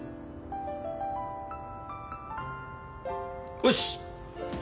よし！